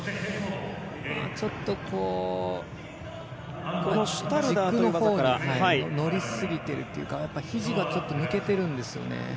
ちょっと、軸のほうに乗りすぎてるというかひじがちょっと抜けてるんですよね。